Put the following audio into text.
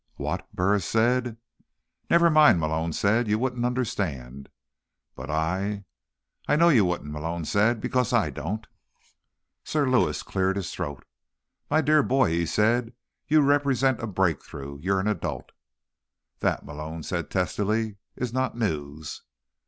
"What?" Burris said. "Never mind," Malone said. "You wouldn't understand." "But I—" "I know you wouldn't," Malone said, "because I don't." Sir Lewis cleared his throat "My dear boy," he said, "you represent a breakthrough. You are an adult." "That," Malone said testily, "is not news."